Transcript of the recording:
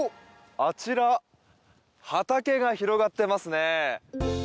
あちら、畑が広がっていますね。